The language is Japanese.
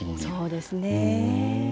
そうですね。